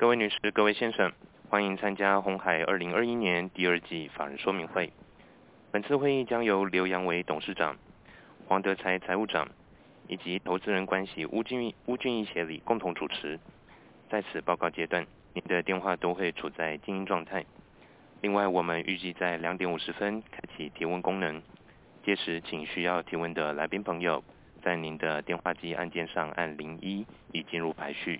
各位女 士， 各位先 生， 欢迎参加鸿海2021年第二季法人说明会。本次会议将由刘扬伟董事长、黄德才财务长以及投资人关系吴俊毅协理共同主持。在此报告阶 段， 您的电话都会处在静音状态。另 外， 我们预计在两点五十分开启提问功 能， 届时请需要提问的来宾朋 友， 在您的电话机按键上按零一以进入排序。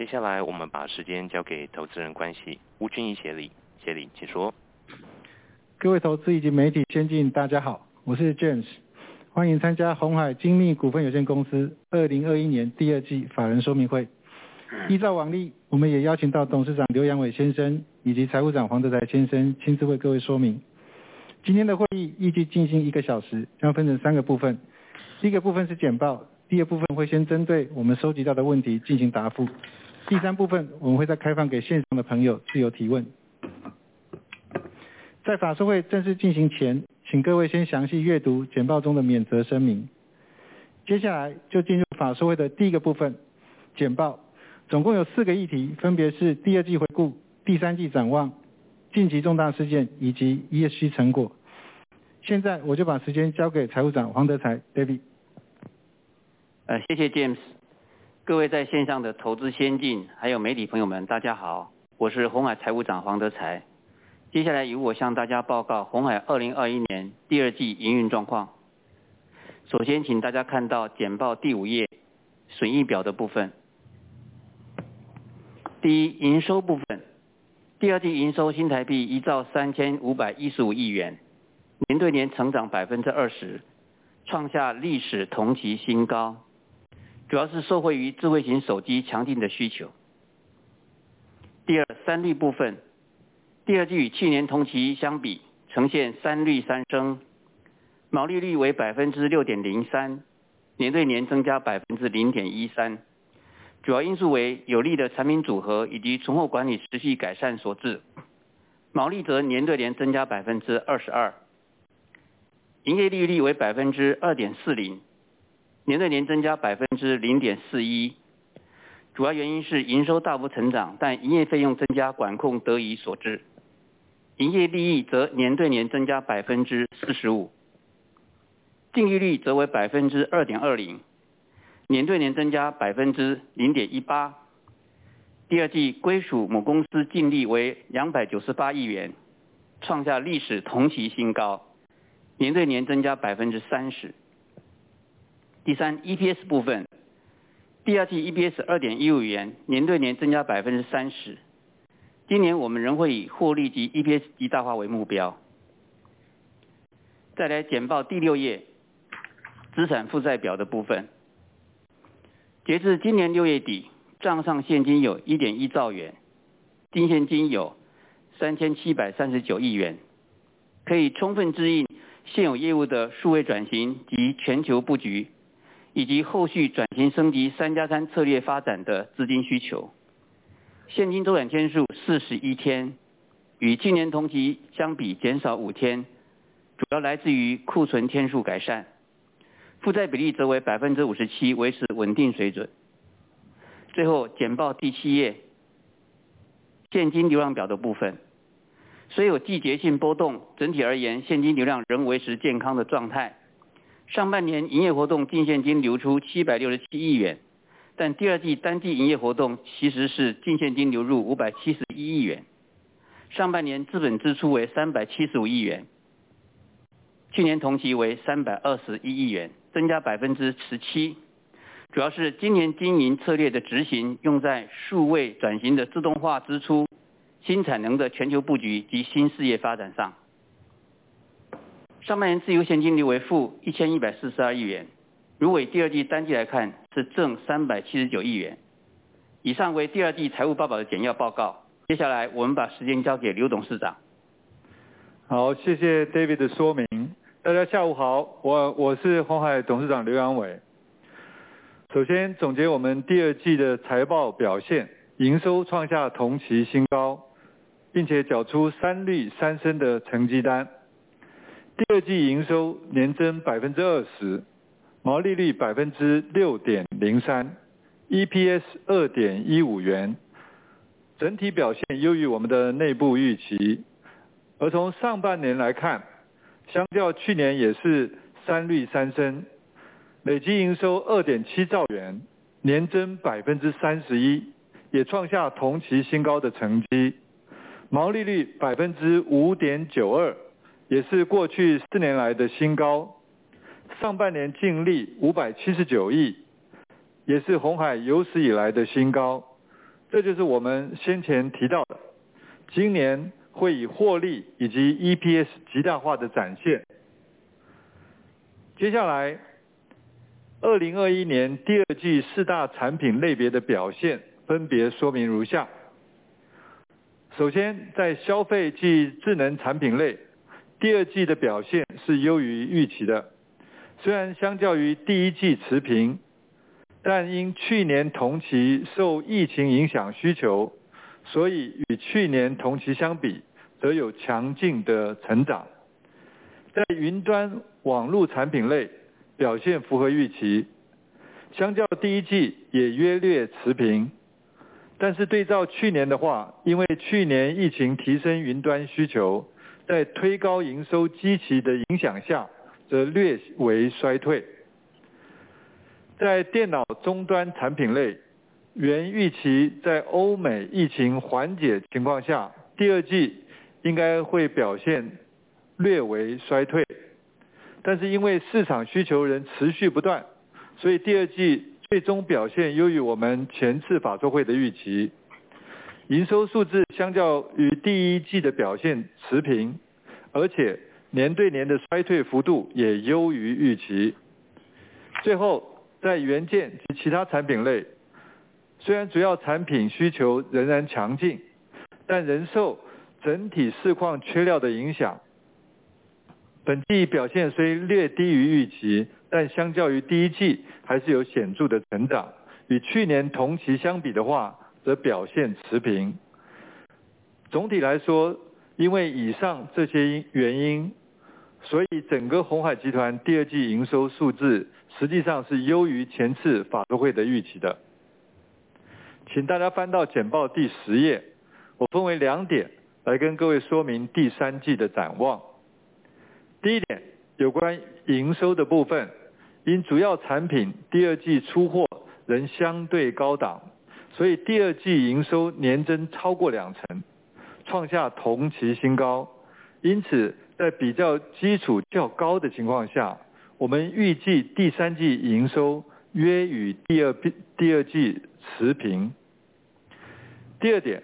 谢谢。接下来我们把时间交给投资人关系吴俊毅协理。协 理， 请说。各位投资以及媒体先 进， 大家 好， 我是 James， 欢迎参加鸿海精密股份有限公司2021年第二季法人说明会。依照往 例， 我们也邀请到董事长刘扬伟先生以及财务长黄德才先生亲自为各位说明。今天的会议预计进行一个小 时， 将分成三个部 分， 第一个部分是简 报， 第二部分会先针对我们收集到的问题进行答 复， 第三部分我们会再开放给现场的朋友自由提问。在法说会正式进行 前， 请各位先详细阅读简报中的免责声明。接下来就进入法说会的第一个部 分， 简报。总共有四个议 题， 分别是第二季回顾、第三季展望、近期重大事件以及 ESG 成果。现在我就把时间交给财务长黄德才 David。呃， 谢谢 James。各位在线上的投资先 进， 还有媒体朋友 们， 大家 好， 我是鸿海财务长黄德才。接下来由我向大家报告鸿海2021年第二季营运状况。首先请大家看到简报第五 页， 损益表的部分。第 一， 营收部 分， 第二季营收新台币1兆 3,515 亿 元， 年对年成长 20%， 创下历史同期新高，主要是受惠于智慧型手机强劲的需求。第 二， 三率部 分， 第二季与去年同期相比呈现三率三 升， 毛利率为 6.03%， 年对年增加 0.13%， 主要因素为有利的产品组合以及存货管理持续改善所致。毛利则年对年增加 22%， 营业利益率为 2.40%， 年对年增加 0.41%， 主要原因是营收大幅成 长， 但营业费用增加管控得宜所致。营业利益则年对年增加 45%， 净利率则为 2.20%， 年对年增加 0.18%。第二季归属母公司净利为 ¥2,980 亿 元， 创下历史同期新 高， 年对年增加 30%。第三 ，EPS 部 分， 第二季 EPS ¥2.15 元， 年对年增加 30%。今年我们仍会以获利及 EPS 极大化为目标。再来简报第六 页， 资产负债表的部分。截至今年6月 底， 账上现金有 1.1 兆 元， 净现金有 3,739 亿 元， 可以充分支援现有业务的数位转型及全球布局，以及后续转型升级 3+3 策略发展的资金需求。现金周转天数41 天， 与去年同期相比减少5 天， 主要来自于库存天数改 善， 负债比例则为 57%， 维持稳定水准。最 后， 简报第7 页， 现金流量表的部分。虽有季节性波 动， 整体而 言， 现金流量仍维持健康的状态。上半年营业活动净现金流出767亿 元， 但第二季单季营业活动其实是净现金流入571亿元。上半年资本支出为375亿 元， 去年同期为321亿 元， 增加 17%， 主要是今年经营策略的执 行， 用在数位转型的自动化支出、新产能的全球布局及新事业发展上。上半年自由现金流为负 1,142 亿 元， 如果以第二季单季来 看， 是正379亿元。以上为第二季财务报告的简要报 告， 接下来我们把时间交给刘董事长。好， 谢谢 David 的说明。大家下午 好， 我是鸿海董事长刘扬伟。首先总结我们第二季的财报表 现， 营收创下同期新 高， 并且缴出三率三升的成绩单。第二季营收年增 20%， 毛利率 6.03%，EPS ¥2.15 元， 整体表现优于我们的内部预期。而从上半年来 看， 相较去年也是三率三 升， 累计营收 2.7 兆 元， 年增 31%， 也创下同期新高的成绩。毛利率 5.92%， 也是过去四年来的新高。上半年净利579 亿， 也是鸿海有史以来的新高。这就是我们先前提到 的， 今年会以获利以及 EPS 极大化的展现。接下来 ，2021 年第二季四大产品类别的表现分别说明如 下： 首 先， 在消费暨智能产品类，第二季的表现是优于预期的。虽然相较于第一季持 平， 但因去年同期受疫情影响需 求， 所以与去年同期相比则有强劲的成长。在云端网路产品类表现符合预 期， 相较第一季也约略持平。但是对照去年的 话， 因为去年疫情提升云端需求，在推高营收基期的影响下则略为衰退。在电脑终端产品 类， 原预期在欧美疫情缓解情况 下， 第二季应该会表现略为衰 退， 但是因为市场需求仍持续不 断， 所以第二季最终表现优于我们前次法说会的预期。营收数字相较于第一季的表现持 平， 而且年对年的衰退幅度也优于预期。最 后， 在元件及其他产品 类， 虽然主要产品需求仍然强 劲， 但仍受整体市况缺料的影 响， 本季表现虽略低于预 期， 但相较于第一季还是有显著的成 长， 与去年同期相比的话则表现持平。总体来 说， 因为以上这些原 因， 所以整个鸿海集团第二季营收数字实际上是优于前次法说会的预期的。请大家翻到简报第十 页， 我分为两点来跟各位说明第三季的展望。第一 点， 有关营收的部 分， 因主要产品第二季出货仍相对高档，所以第二季营收年增超过两 成， 创下同期新高。因 此， 在比较基础较高的情况 下， 我们预计第三季营收约与第二季持平。第二 点，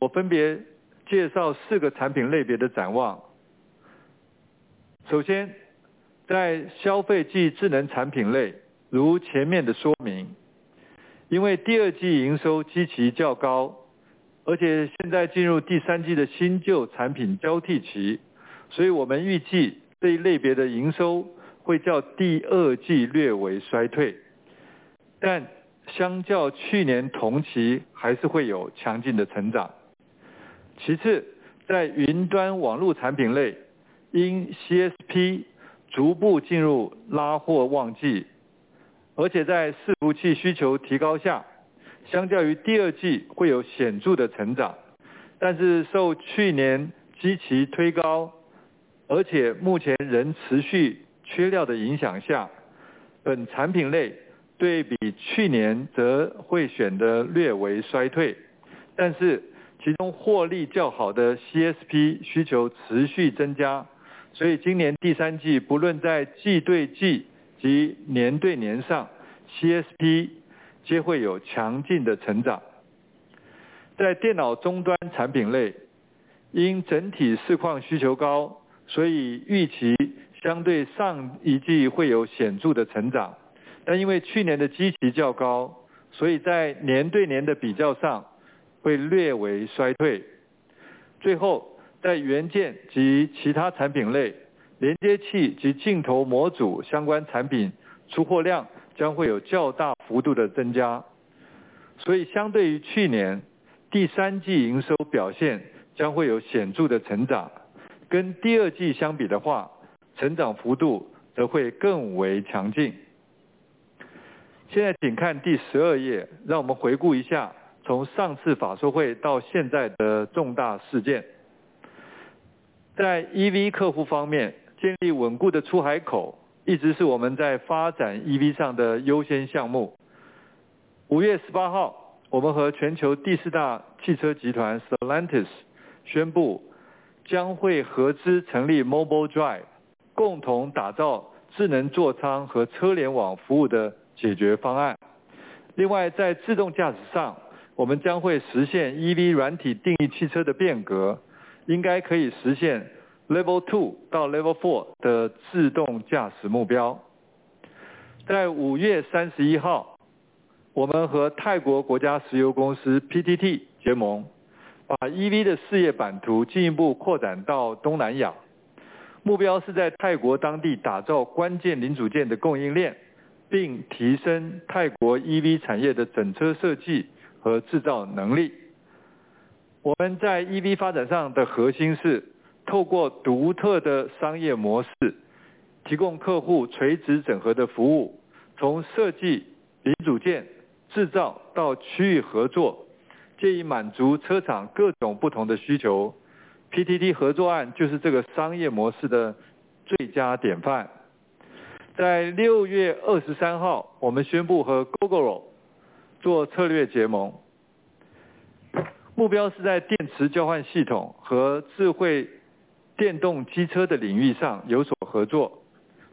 我分别介绍四个产品类别的展望。首 先， 在消费级智能产品 类， 如前面的说明，因为第二季营收基期较 高， 而且现在进入第三季的新旧产品交替 期， 所以我们预计这一类别的营收会较第二季略为衰 退， 但相较去年同期还是会有强劲的成长。其 次， 在雲端網路產品 類， 因 CSP 逐步進入拉貨旺季，而且在伺服器需求提高 下， 相較於第二季會有顯著的成 長， 但是受去年基期推 高， 而且目前仍持續缺料的影響 下， 本產品類對比去年則會顯得略為衰退。但是其中獲利較好的 CSP 需求持續增 加， 所以今年第三季不論在季對季及年對年上 ，CSP 皆會有強勁的成長。在电脑终端产品 类， 因整体市况需求 高， 所以预期相对上一季会有显著的成 长， 但因为去年的基期较 高， 所以在年对年的比较上会略为衰退。最 后， 在元件及其他产品 类， 连接器及镜头模组相关产品出货量将会有较大幅度的增 加， 所以相对于去年第三季营收表现将会有显著的成长。跟第二季相比的 话， 成长幅度则会更为强劲。现在请看第十二 页， 让我们回顾一下从上次法说会到现在的重大事件。在 EV 客户方 面， 建立稳固的出海口一直是我们在发展 EV 上的优先项目。五月十八 号， 我们和全球第四大汽车集团 Stellantis 宣布将会合资成立 Mobile Drive， 共同打造智能座舱和车联网服务的解决方案。另 外， 在自动驾驶 上， 我们将会实现 EV 软体定义汽车的变 革， 应该可以实现 Level 2到 Level 4的自动驾驶目标。在五月三十一 号， 我们和泰国国家石油公司 PTT 结 盟， 把 EV 的事业版图进一步扩展到东南 亚， 目标是在泰国当地打造关键零组件的供应 链， 并提升泰国 EV 产业的整车设计和制造能力。我们在 EV 发展上的核心是透过独特的商业模 式， 提供客户垂直整合的服 务， 从设计、零组件、制造到区域合 作， 借以满足车厂各种不同的需求。PTT 合作案就是这个商业模式的最佳典范。在六月二十三 号， 我们宣布和 Gogoro 做策略结 盟， 目标是在电池交换系统和智慧电动机车的领域上有所合 作，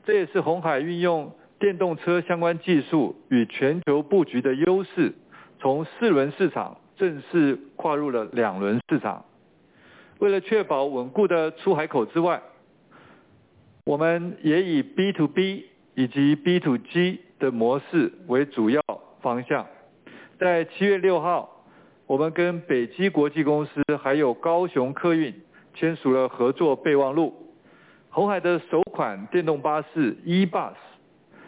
这也是鸿海运用电动车相关技术与全球布局的优 势， 从四轮市场正式跨入了两轮市场。为了确保稳固的出海口之 外， 我们也以 B to B 以及 B to G 的模式为主要方向。在七月六 号， 我们跟北基国际公司还有高雄客运签署了合作备忘录。鸿海的首款电动巴士 E-BUS，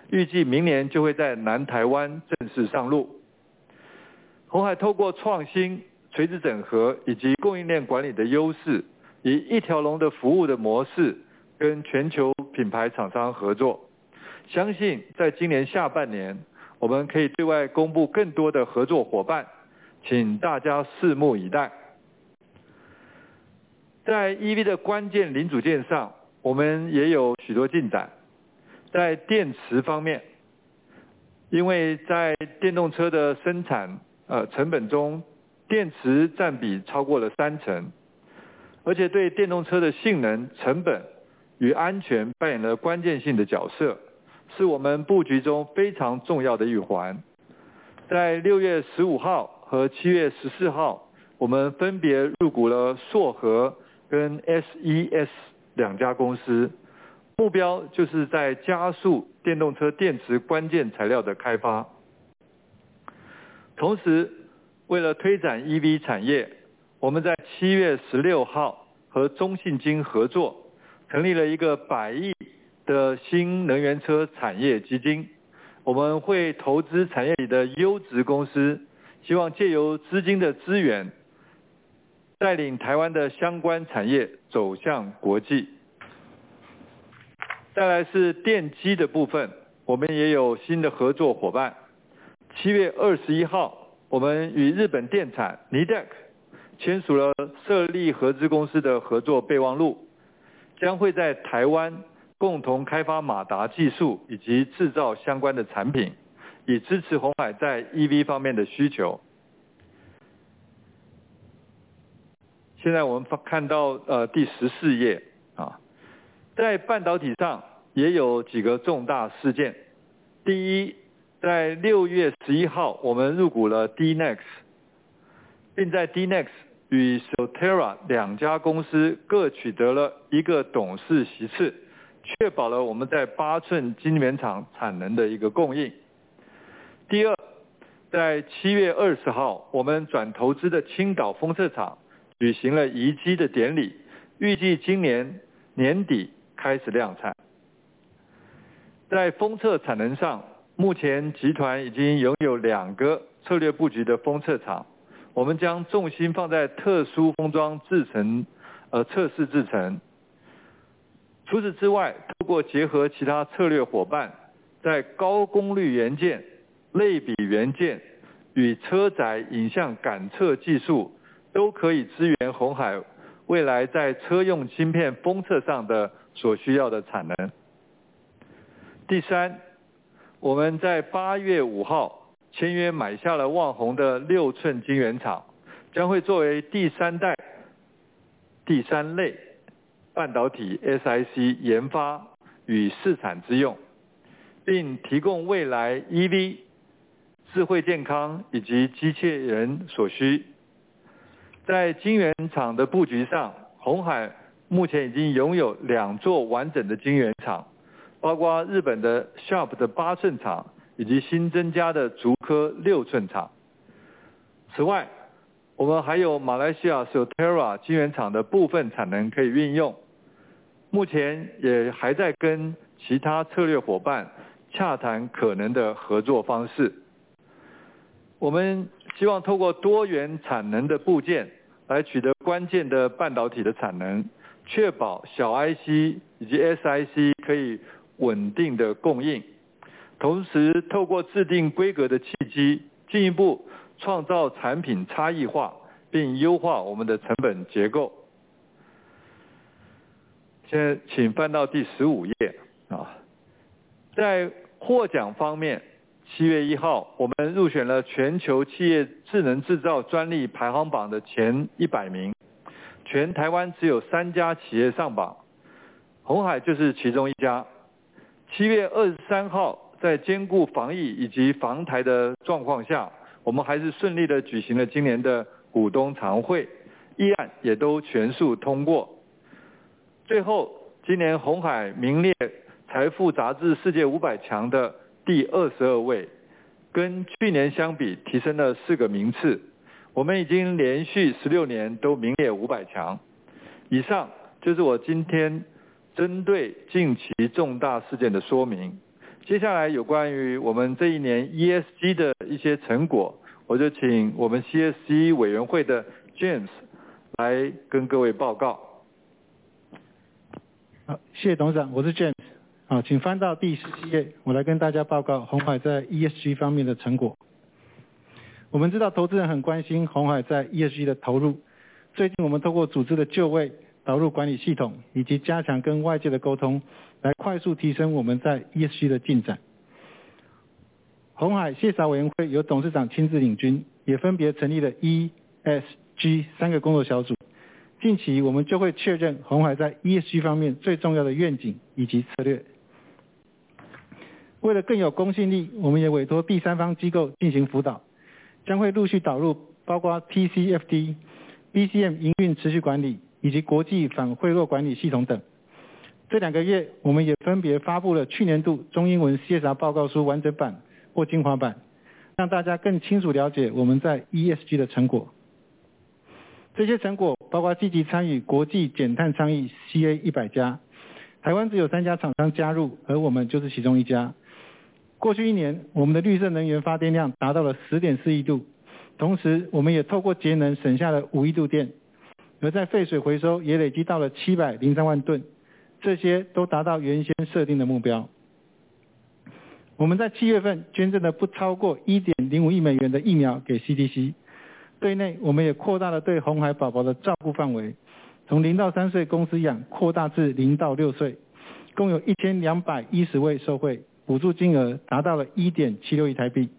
预计明年就会在南台湾正式上路。鸿海透过创新、垂直整合以及供应链管理的优 势， 以一条龙的服务的模式跟全球品牌厂商合 作， 相信在今年下半 年， 我们可以对外公布更多的合作伙 伴， 请大家拭目以待。在 EV 的关键零组件 上， 我们也有许多进展。在电池方 面， 因为在电动车的生产成本 中， 电池占比超过了 30%， 而且对电动车的性能、成本与安全扮演了关键性的角 色， 是我们布局中非常重要的一环。在6月15号和7月14 号， 我们分别入股了硕禾跟 SES 两家公 司， 目标就是在加速电动车电池关键材料的开发。同 時， 為了推展 EV 產 業， 我們在七月十六號和中信金合 作， 成立了一個百億的新能源車產業基 金， 我們會投資產業裡的優質公 司， 希望借由資金的支 援， 帶領台灣的相關產業走向國際。再來是電機的部 分， 我們也有新的合作夥伴。七月二十一 号， 我们与日本电产 Nidec 签署了设立合资公司的合作备忘 录， 将会在台湾共同开发马达技术以及制造相关的产 品， 以支持鸿海在 EV 方面的需求。现在我们看到第十四页。在半导体上也有几个重大事件。第 一， 在六月十一 号， 我们入股了 DNEXT， 并在 DNEXT 与 Sotera 两家公司各取得了一个董事席 次， 确保了我们在八寸晶圆厂产能的一个供应。第 二， 在七月二十 号， 我们转投资的青岛封测厂举行了移机的典 礼， 预计今年年底开始量产。在封测产能 上， 目前集团已经拥有两个策略布局的封测 厂， 我们将重心放在特殊封装制程、测试制程。除此之 外， 透过结合其他策略伙 伴， 在高功率元件、类比元件与车载影像感测技 术， 都可以支援鸿海未来在车用芯片封测上的所需要的产能。第 三， 我们在八月五号签约买下了旺宏的六寸晶圆 厂， 将会作为第三代、第三类半导体 SiC 研发与试产之 用， 并提供未来 EV、智慧健康以及机械人所需。在晶圆厂的布局 上， 鸿海目前已经拥有两座完整的晶圆 厂， 包括日本的 Sharp 的八寸 厂， 以及新增加的竹科六寸厂。此 外， 我们还有马来西亚 Sotera 晶圆厂的部分产能可以运 用， 目前也还在跟其他策略伙伴洽谈可能的合作方式。我们希望透过多元产能的布局，来取得关键的半导体的产 能， 确保小 IC 以及 SIC 可以稳定的供 应， 同时透过制定规格的契 机， 进一步创造产品差异 化， 并优化我们的成本结构。现在请翻到第十五页。在获奖方面，七月一 号， 我们入选了全球企业智能制造专利排行榜的前一百 名， 全台湾只有三家企业上 榜， 鸿海就是其中一家。七月二十三 号， 在兼顾防疫以及防台的状况 下， 我们还是顺利地举行了今年的股东常 会， 议案也都全数通过。最 后， 今年鸿海名列财富杂志世界五百强的第二十二 位， 跟去年相 比， 提升了四个名 次， 我们已经连续十六年都名列五百强。以 上， 就是我今天针对近期重大事件的说明。接下来有关于我们这一年 ESG 的一些成 果， 我就请我们 CSCE 委员会的 James 来跟各位报告。好， 谢谢董事 长， 我是 James。好， 请翻到第十七 页， 我来跟大家报告鸿海在 ESG 方面的成果。我们知道投资人很关心鸿海在 ESG 的投 入， 最近我们透过组织的就位、导入管理系 统， 以及加强跟外界的沟 通， 来快速提升我们在 ESG 的进展。鸿海 CSR 委员会由董事长亲自领 军， 也分别成立了 E、S、G 三个工作小 组， 近期我们就会确认鸿海在 ESG 方面最重要的愿景以及策略。为了更有公信 力， 我们也委托第三方机构进行辅 导， 将会陆续导入包括 TCFD、BCM 营运持续管理以及国际反贿赂管理系统等。这两个 月， 我们也分别发布了去年度中英文 CSR 报告书完整版或精华 版， 让大家更清楚了解我们在 ESG 的成果。这些成果包括积极参与国际减碳倡议 CA 一百 家， 台湾只有三家厂商加 入， 而我们就是其中一家。过去一 年， 我们的绿色能源发电量达到了 10.4 亿 度， 同时我们也透过节能省下了5亿度 电， 而在废水回收也累积到了703万 吨， 这些都达到原先设定的目标。我们在七月份捐赠了不超过 $1.05 亿美元的疫苗给 CDC。国内我们也扩大了对红海宝宝的照护范 围， 从零到三岁公司养扩大至零到六 岁， 共有 1,210 位受惠，补助金额达到了 NT$1.76 亿。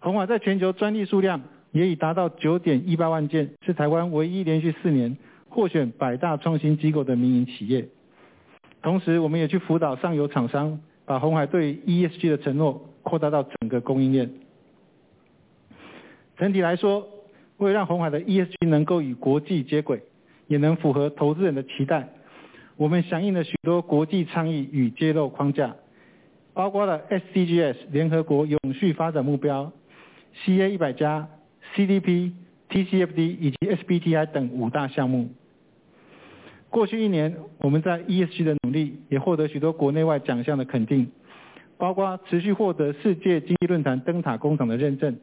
鸿海在全球专利数量也已达到 9.18 万 件， 是台湾唯一连续四年获选百大创新机构的民营企业。同 时， 我们也去辅导上游厂 商， 把鸿海对 ESG 的承诺扩大到整个供应链。整体来 说， 为了让鸿海的 ESG 能够与国际接 轨， 也能符合投资人的期待，我们响应了许多国际倡议与揭露框 架， 包括了 SDGs、联合国永续发展目标、CA 一百家、CDP、TCFD 以及 SBTi 等五大项目。过去一 年， 我们在 ESG 的努力也获得许多国内外奖项的肯 定， 包括持续获得世界经济论坛灯塔工厂的认 证，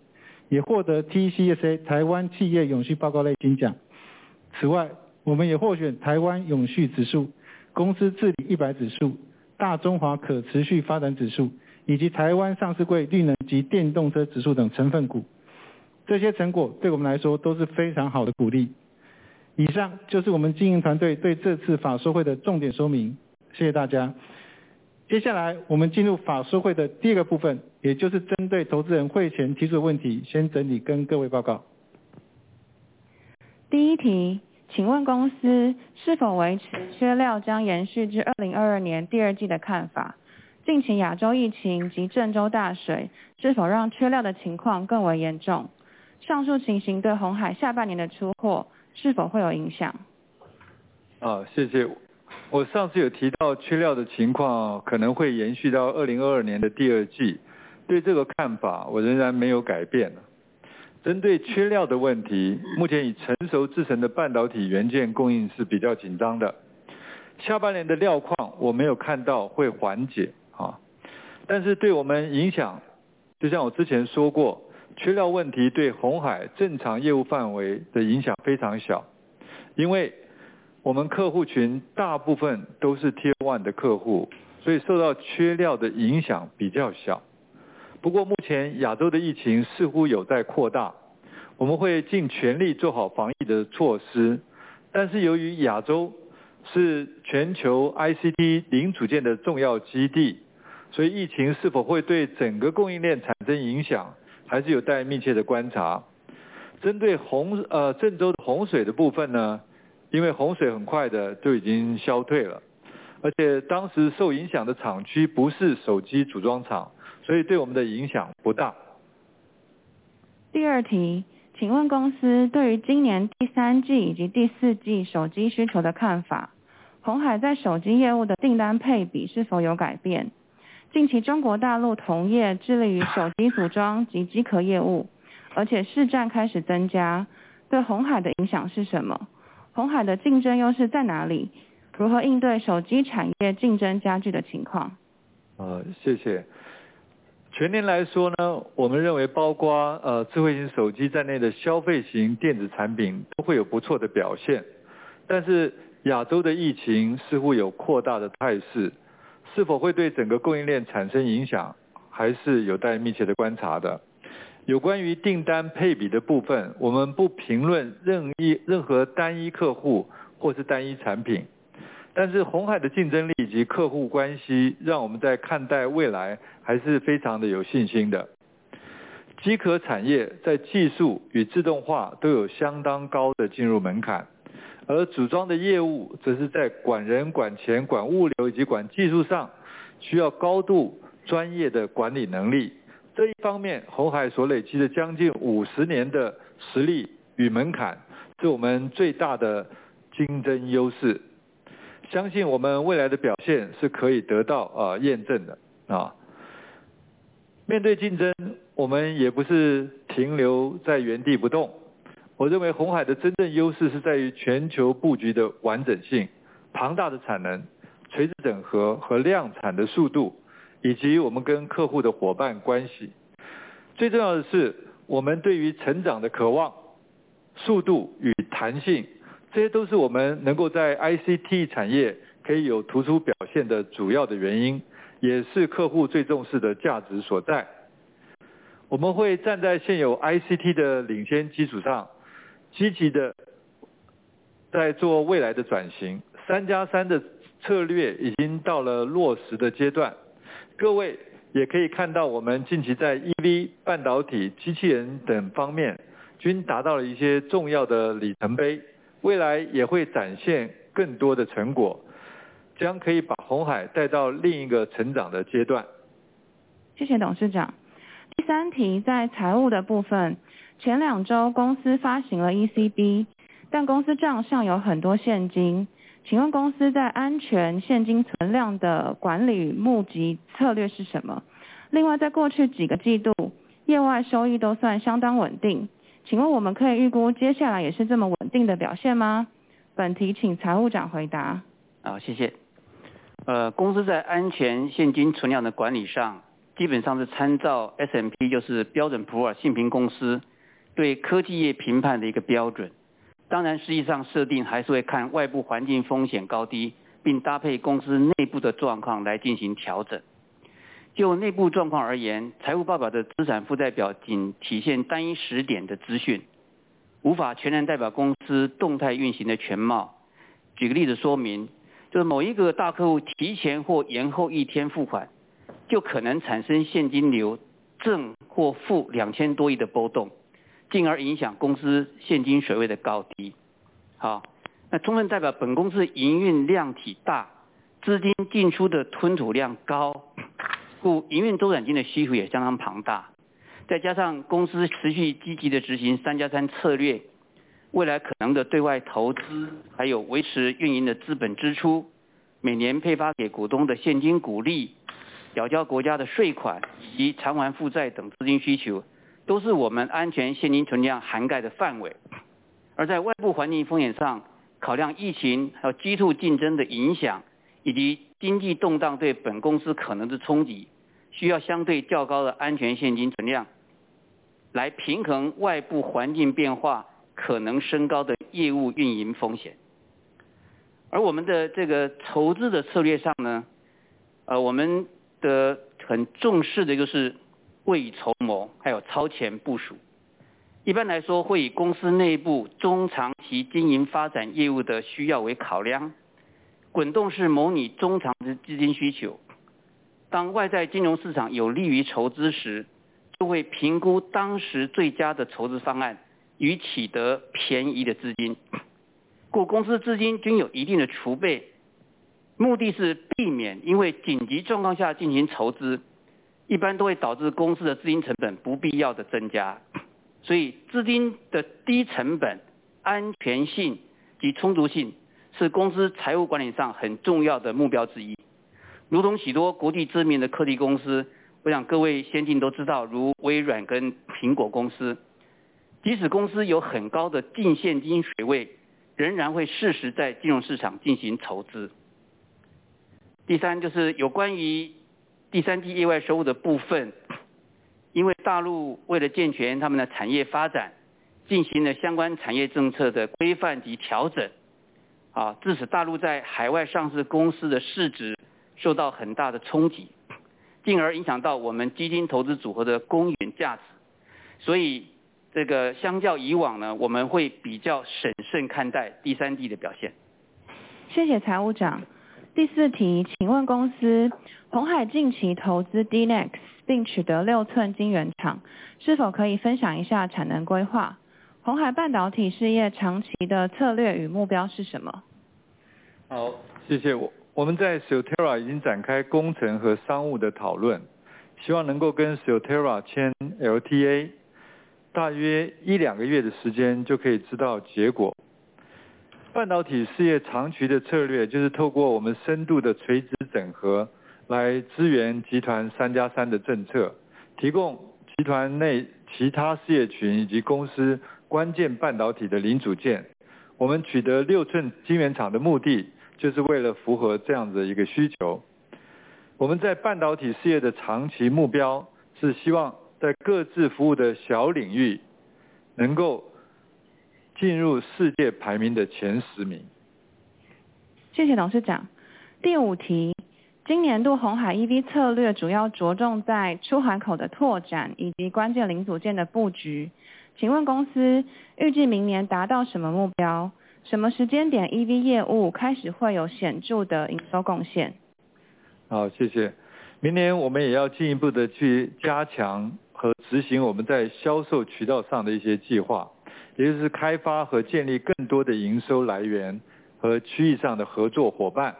也获得 TCSA 台湾企业永续报告类金奖。此 外， 我们也获选台湾永续指数、公司治理一百指数、大中华可持续发展指 数， 以及台湾上市柜绿能及电动车指数等成分股。这些成果对我们来说都是非常好的鼓励。以上就是我们经营团队对这次法说会的重点说 明， 谢谢大 家！ 接下来我们进入法说会的第二个部 分， 也就是针对投资人会前提出的问 题， 先整理跟各位报告。第一 题， 请问公司是否维持缺料将延续至2022年第二季的看 法？ 近期亚洲疫情及郑州大水是否让缺料的情况更为严 重？ 上述情形对鸿海下半年的出货是否会有影 响？ 好， 谢谢。我上次有提到缺料的情况可能会延续到2022年的第二 季， 对这个看法我仍然没有改变。针对缺料的问 题， 目前以成熟制程的半导体元件供应是比较紧张 的， 下半年的料况我没有看到会缓解。但是对我们影 响， 就像我之前说 过， 缺料问题对鸿海正常业务范围的影响非常 小， 因为我们客户群大部分都是 Tier One 的客 户， 所以受到缺料的影响比较小。不过目前亚洲的疫情似乎有在扩 大， 我们会尽全力做好防疫的措施。但是由于亚洲是全球 ICT 零组件的重要基 地， 所以疫情是否会对整个供应链产生影响还是有待密切的观察。针对洪 水， 郑州洪水的部分 呢， 因为洪水很快地就已经消退 了， 而且当时受影响的厂区不是手机组装厂，所以对我们的影响不大。第二 题， 请问公司对于今年第三季以及第四季手机需求的看 法， 鸿海在手机业务的订单配比是否有改 变？ 近期中国大陆同业致力于手机组装及机壳业 务， 而且市占开始增 加， 对鸿海的影响是什 么？ 鸿海的竞争优势在哪 里？ 如何应对手机产业竞争加剧的情 况？ 呃， 谢谢。全年来说 呢， 我们认为包括 呃， 智慧型手机在内的消费型电子产品都会有不错的表 现， 但是亚洲的疫情似乎有扩大的态 势， 是否会对整个供应链产生影响还是有待密切的观察的。有关于订单配比的部 分， 我们不评论任 一， 任何单一客户或是单一产品，但是鸿海的竞争力及客户关系让我们在看待未来还是非常的有信心的。机壳产业在技术与自动化都有相当高的进入门 槛， 而组装的业务则是在管人、管钱、管物 流， 以及管技术上需要高度专业的管理能力。这一方 面， 鸿海所累积的将近五十年的实力与门 槛， 是我们最大的竞争优势，相信我们未来的表现是可以得到验证的。面对竞 争， 我们也不是停留在原地不动。我认为鸿海的真正优势是在于全球布局的完整性、庞大的产能、垂直整合和量产的速 度， 以及我们跟客户的伙伴关系。最重要的 是， 我们对于成长的渴望、速度与弹性，这些都是我们能够在 ICT 产业可以有突出表现的主要的原 因， 也是客户最重视的价值所在。我们会站在现有 ICT 的领先基础 上， 积极地在做未来的转 型， 三加三的策略已经到了落实的阶段。各位也可以看 到， 我们近期在 EV、半导体、机器人等方面均达到了一些重要的里程碑，未来也会展现更多的成 果， 将可以把鸿海带到另一个成长的阶段。谢谢董事长。第三题在财务的部 分， 前两周公司发行了 ECB， 但公司账上有很多现 金， 请问公司在安全现金存量的管理募集策略是什 么？ 另 外， 在过去几个季 度， 业外收益都算相当稳定，请问我们可以预估接下来也是这么稳定的表现 吗？ 本题请财务长回答。好， 谢谢。呃， 公司在安全现金存量的管理 上， 基本上是参照 S&P， 就是标准普尔信评公司对科技业评判的一个标准。当然实际上设定还是会看外部环境风险高 低， 并搭配公司内部的状况来进行调整。就内部状况而 言， 财务报表的资产负债表仅体现单一时点的资 讯， 无法全然代表公司动态运行的全貌。举个例子说 明， 就是某一个大客户提前或延后一天付 款， 就可能产生现金流正或负 ¥2,000 多亿的波 动， 进而影响公司现金水位的高低。好， 那充分代表本公司营运量体 大， 资金进出的吞吐量高，故营运周转金的需求也相当庞大。再加上公司持续积极地执行三加三策 略， 未来可能的对外投 资， 还有维持运营的资本支 出， 每年配发给股东的现金股 利， 缴交国家的税款以及偿还负债等资金需 求， 都是我们安全现金存量涵盖的范围。而在外部环境风险 上， 考量疫情还有激烈竞争的影响，以及经济动荡对本公司可能的冲 击， 需要相对较高的安全现金存 量， 来平衡外部环境变化可能升高的业务运营风险。而我们的这个筹资的策略上 呢， 我们很重视的就是未雨绸 缪， 还有超前部署。一般来 说， 会以公司内部中长期经营发展业务的需要为考量，滚动式模拟中长期资金需求。当外在金融市场有利于筹资 时， 就会评估当时最佳的筹资方 案， 以取得便宜的资金。故公司资金均有一定的储 备， 目的是避免因为紧急状况下进行筹 资， 一般都会导致公司的资金成本不必要的增加。所以资金的低成本、安全性及充足性是公司财务管理上很重要的目标之一。如同许多国际知名的科技公 司， 我想各位先进都知 道， 如微软跟苹果公 司， 即使公司有很高的净现金水 位， 仍然会适时在金融市场进行投资。第 三， 就是有关于第三季意外收入的部 分， 因为大陆为了健全他们的产业发 展， 进行了相关产业政策的规范及调整，致使大陆在海外上市公司的市值受到很大的冲 击， 进而影响到我们基金投资组合的公允价值。所以这个相较以往 呢， 我们会比较审慎看待第三季的表现。谢谢财务长。第四 题， 请问公 司， 鸿海近期投资 D-NEX， 并取得六寸晶圆 厂， 是否可以分享一下产能规划？鸿海半导体事业长期的策略与目标是什 么？ 好， 谢谢。我们在 Silterra 已经展开工程和商务的讨 论， 希望能够跟 Silterra 签 LTA， 大约一两个月的时间就可以知道结果。半导体事业长期的策略就是透过我们深度的垂直整 合， 来支援集团三加三的政 策， 提供集团内其他事业群以及公司关键半导体的零组件。我们取得六寸晶圆厂的目 的， 就是为了符合这样的一个需求。我们在半导体事业的长期目 标， 是希望在各自服务的小领域能够进入世界排名的前十名。谢谢董事长。第五 题， 今年度鸿海 EV 策略主要着重在出海口的拓展以及关键零组件的布局。请问公司预计明年达到什么目 标？ 什么时间点 EV 业务开始会有显著的营收贡 献？ 好， 谢谢。明年我们也要进一步地去加强和执行我们在销售渠道上的一些计 划， 也就是开发和建立更多的营收来源和区域上的合作伙伴。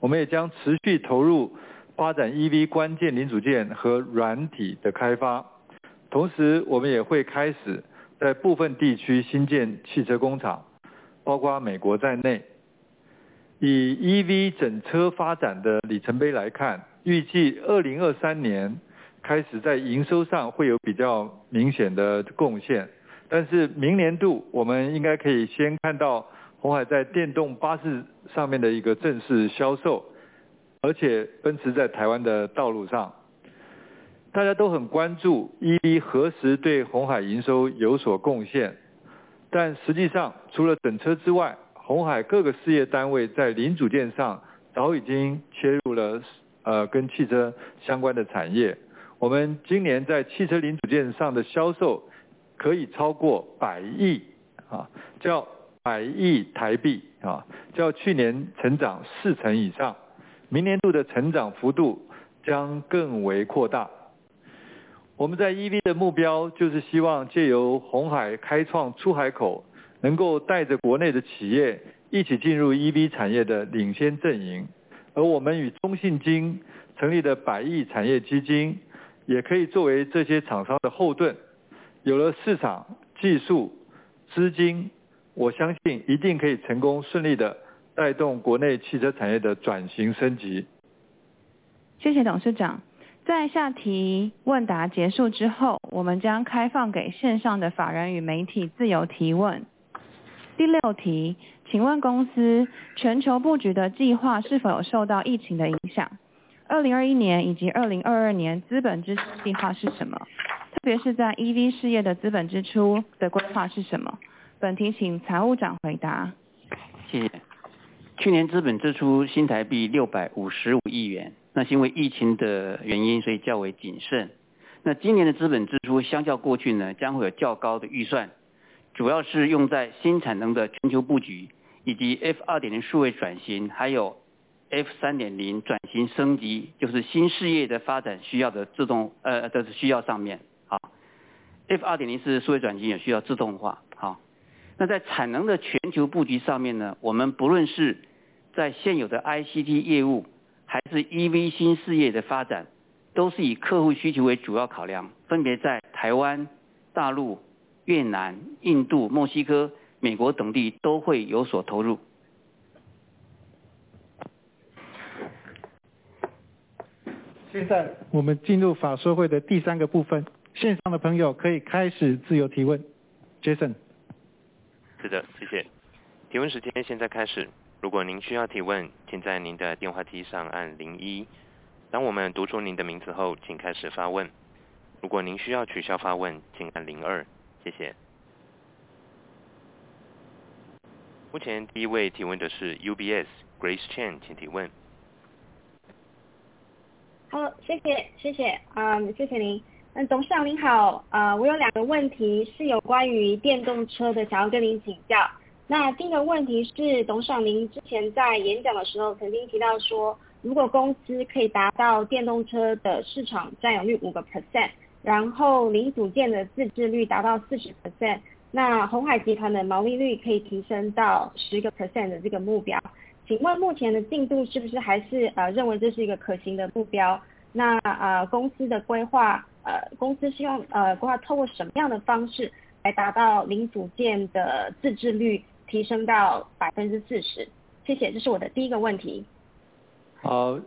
我们也将持续投入发展 EV 关键零组件和软体的开 发， 同时我们也会开始在部分地区新建汽车工 厂， 包括美国在内。以 EV 整车发展的里程碑来 看， 预计2023年开始在营收上会有比较明显的贡 献， 但是明年度我们应该可以先看到鸿海在电动巴士上面的一个正式销 售， 而且奔驰在台湾的道路上。大家都很关注 EV 何时对鸿海营收有所贡 献， 但实际 上， 除了整车之 外， 鸿海各个事业单位在零组件上早已经切入了跟汽车相关的产业。我們今年在汽車零組件上的銷售可以超過百 億， 較去年成長四成以 上， 明年度的成長幅度將更為擴大。我們在 EV 的目 標， 就是希望借由鴻海開創出海 口， 能夠帶著國內的企業一起進入 EV 產業的領先陣 營， 而我們與中信金成立的百億產業基 金， 也可以作為這些廠商的後盾。有了市场、技术、资 金， 我相信一定可以成功顺利地带动国内汽车产业的转型升级。谢谢董事长。在下提问答结束之 后， 我们将开放给线上的法人与媒体自由提问。第六 题， 请问公司全球布局的计划是否有受到疫情的影响 ？2021 年以及2022年资本支出计划是什 么？ 特别是在 EV 事业的资本支出的规划是什 么？ 本题请财务长回答。谢谢。去年资本支出新台币六百五十五亿元，那是因为疫情的原 因， 所以较为谨慎。那今年的资本支出相较过去 呢， 将会有较高的预 算， 主要是用在新产能的全球布 局， 以及 F 二点零数位转 型， 还有 F 三点零转型升 级， 就是新事业的发展需要的自动化需要上 面， 好。F 二点零是数位转型也需要自动 化， 好。那在产能的全球布局上面 呢， 我们不论是在现有的 ICT 业 务， 还是 EV 新事业的发 展， 都是以客户需求为主要考 量， 分别在台湾、大陆、越南、印度、墨西哥、美国等地都会有所投入。现在我们进入法说会的第三个部 分， 线上的朋友可以开始自由提问。Jason。是 的， 谢谢。提问时间现在开始，如果您需要提 问， 请在您的电话机上按零 一， 当我们读出您的名字 后， 请开始发问。如果您需要取消发 问， 请按零二。谢谢。目前第一位提问的是 UBS，Grace Chen， 请提问。好， 谢 谢， 谢 谢， 谢谢您。那董事长您 好， 我有两个问题是有关于电动车 的， 想要跟您请教。那第一个问题是董事长您之前在演讲的时候曾经提到 说， 如果公司可以达到电动车的市场占有率 5%， 然后零组件的自制率达到 40%， 那鸿海集团的毛利率可以提升到 10% 的这个目 标， 请问目前的进度是不是还 是， 呃， 认为这是一个可行的目 标？ 那， 公司的规 划， 公司是用规划透过什么样的方式来达到零组件的自制率提升到 40%？ 谢 谢， 这是我的第一个问题。好，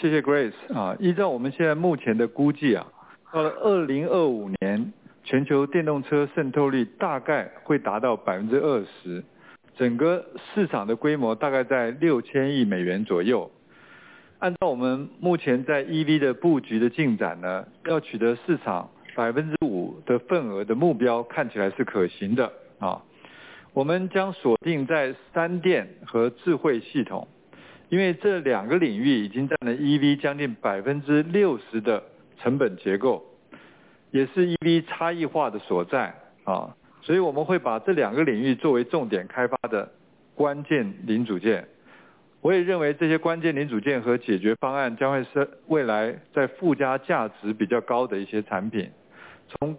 谢谢 Grace。依照我们现在目前的估 计， 到了2025 年， 全球电动车渗透率大概会达到 20%， 整个市场的规模大概在6000亿美元左右。按照我们目前在 EV 的布局的进 展， 要取得市场 5% 的份额的目标看起来是可行的。我们将锁定在三电和智慧系 统， 因为这两个领域已经占了 EV 将近 60% 的成本结 构， 也是 EV 差异化的所 在， 所以我们会把这两个领域作为重点开发的关键零组件。我也认为这些关键零组件和解决方案将会是未来在附加价值比较高的一些产品。从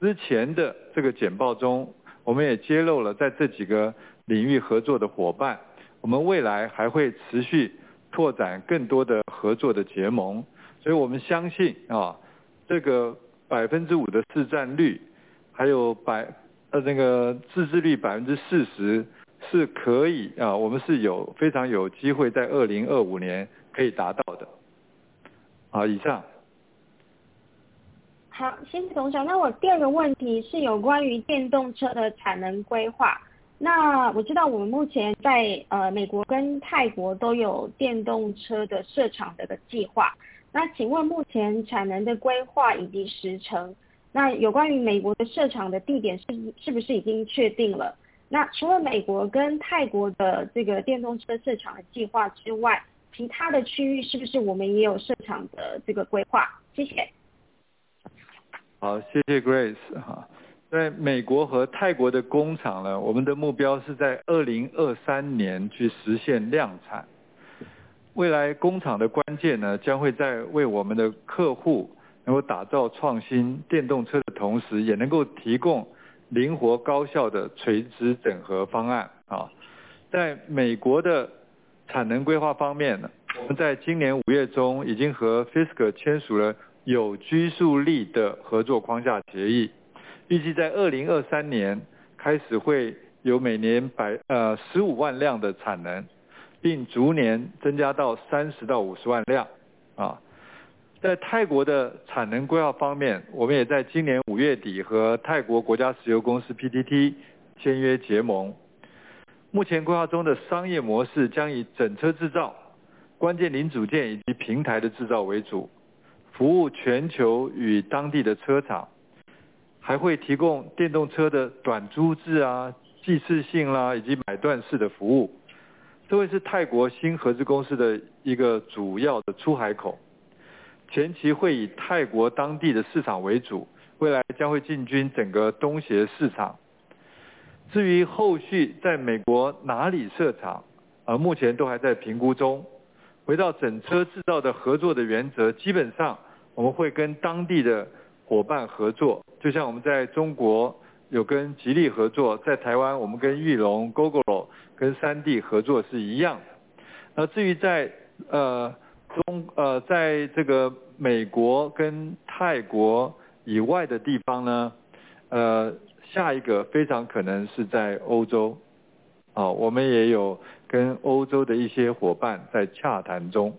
之前的这个简报中，我们也揭露了在这几个领域合作的伙 伴， 我们未来还会持续拓展更多的合作的结 盟， 所以我们相 信， 这个 5% 的市占 率， 还有这个自制率 40% 是可 以， 我们是有非常有机会在2025年可以达到的。好， 以上。好， 谢谢董事长。那我第二个问题是有关于电动车的产能规划。那我知道我们目前 在， 呃， 美国跟泰国都有电动车的设厂的计 划， 那请问目前产能的规划以及时 程， 那有关于美国的设厂的地点是不是已经确定 了？ 那除了美国跟泰国的这个电动车设厂的计划之 外， 其他的区域是不是我们也有设厂的规 划？ 谢谢。好， 谢谢 Grace， 好。在美国和泰国的工厂 呢， 我们的目标是在2023年去实现量产。未来工厂的关键 呢， 将会在为我们的客户能够打造创新电动车的同 时， 也能够提供灵活高效的垂直整合方 案， 好。在美国的产能规划方 面， 我们在今年五月中已经和 Fisker 签署了有拘束力的合作框架协 议， 预计在2023年开始会有每年十五万辆的产 能， 并逐年增加到三十到五十万辆。在泰国的产能规划方 面， 我们也在今年五月底和泰国国家石油公司 PTT 签约结盟。目前规划中的商业模式将以整车制造、关键零组件以及平台的制造为主，服务全球与当地的车 厂， 还会提供电动车的短租制、季次 性， 以及买断式的服 务， 这会是泰国新合资公司的一个主要的出海 口， 前期会以泰国当地的市场为 主， 未来将会进军整个东协市场。至于后续在美国哪里设 厂， 目前都还在评估中。回到整车制造的合作的原 则， 基本上我们会跟当地的伙伴合 作， 就像我们在中国有跟吉利合 作， 在台湾我们跟裕隆、Gogoro， 跟三地合作是一样的。那至于在美国跟泰国以外的地方 呢， 下一个非常可能是在欧洲。我们也有跟欧洲的一些伙伴在洽谈中，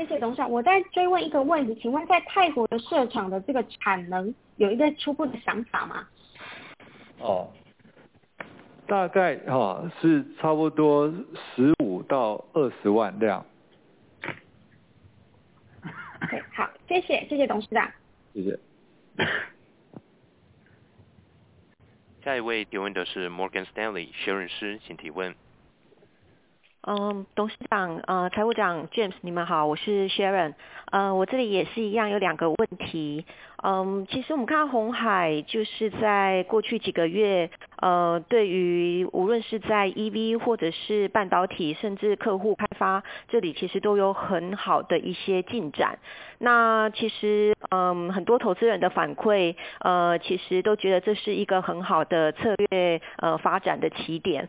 以上。谢谢董事 长， 我再追问一个问 题， 请问在泰国的设厂的这个产能有一个初步的想法 吗？ 哦， 大概是差不多十五到二十万辆。OK， 好， 谢 谢， 谢谢董事长。谢谢。下一位提问的是 Morgan Stanley Sharon 施， 请提问。董事长、财务长、James， 你们 好， 我是 Sharon。我这里也是一 样， 有两个问题。其实我们看鸿海就是在过去几个 月， 对于无论是在 EV 或者是半导 体， 甚至客户开 发， 这里其实都有很好的一些进展。那其 实， 很多投资人的反 馈， 其实都觉得这是一个很好的策略发展的起点。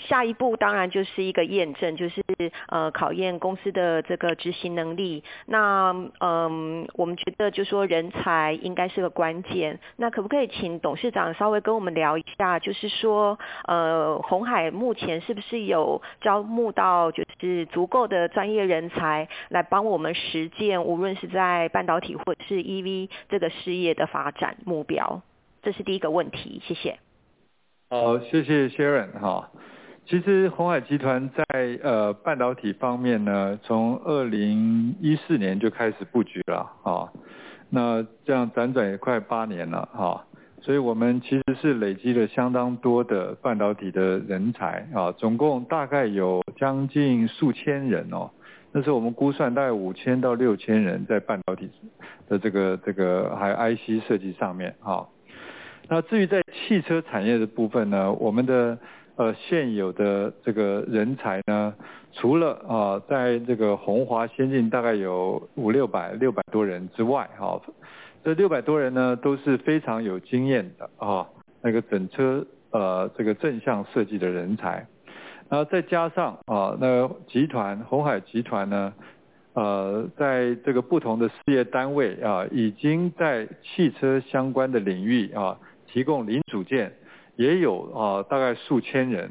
下一步当然就是一个验 证， 就是考验公司的这个执行能力。那我们觉得就是说人才应该是个关 键， 那可不可以请董事长稍微跟我们聊一 下， 就是说鸿海目前是不是有招募到就是足够的专业人才来帮我们实 践， 无论是在半导体或是 EV 这个事业的发展目 标？ 这是第一个问 题， 谢谢。好， 谢谢 Sharon。其实鸿海集团在半导体方面 呢， 从2014年就开始布局 了， 那这样辗转也快八年 了， 所以我们其实是累积了相当多的半导体的人 才， 总共大概有将近数千 人， 那时我们估算大概五千到六千人在半导体的这 个， 这个还有 IC 设计上面。那至于在汽车产业的部分 呢， 我们的现有的这个人才 呢， 除了在这个鸿华先进大概有五、六 百， 六百多人之 外， 这六百多人 呢， 都是非常有经验的那个整车正向设计的人 才， 然后再加上那集 团， 鸿海集团 呢， 在这个不同的事业单 位， 已经在汽车相关的领 域， 提供零组 件， 也有大概数千人。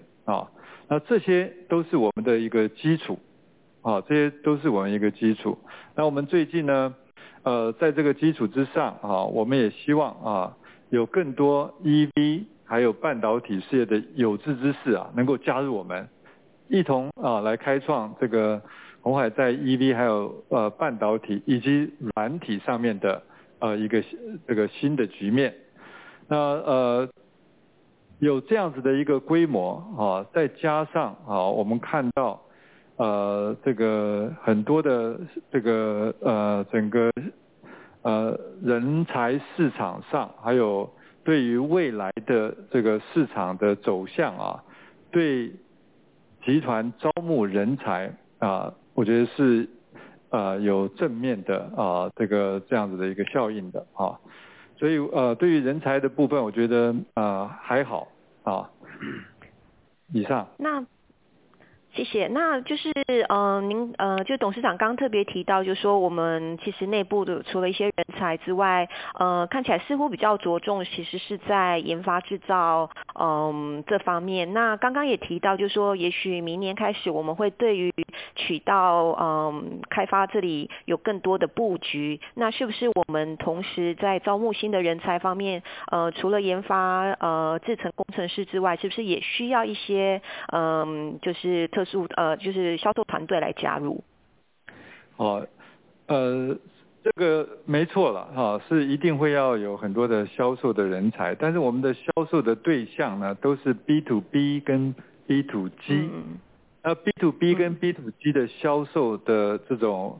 那这些都是我们的一个基 础， 这些都是我们一个基 础， 那我们最近 呢， 在这个基础之 上， 我们也希望有更多 EV 还有半导体事业的有志之士 啊， 能够加入我 们， 一同来开创这个鸿海在 EV 还有半导体以及软体上面的一个新的局面。那，有这样子的一个规 模， 再加 上， 我们看 到， 这个很多 的， 整个人才市场 上， 还有对于未来的这个市场的走 向， 对集团招募人 才， 我觉得是有正面的这样子的一个效应的。所 以， 对于人才的部 分， 我觉得还 好， 以上。那谢 谢， 那就 是， 呃， 您， 呃， 就董事长刚刚特别提 到， 就是说我们其实内部的除了一些人才之 外， 呃， 看起来似乎比较着重其实是在研发制 造， 呃， 这方面。那刚刚也提 到， 就是说也许明年开始我们会对于渠道开发这里有更多的布 局， 那是不是我们同时在招募新的人才方 面， 除了研发制程工程师之 外， 是不是也需要一些特殊的销售团队来加 入？ 哦， 这个没错 了， 是一定会要有很多的销售的人 才， 但是我们的销售的对象 呢， 都是 B to B 跟 B to G， 而 B to B 跟 B to G 的销售的这种